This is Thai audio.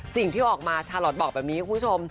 สิ่งที่ออกมาชาลอทบอกแบบนี้คุณผู้ชม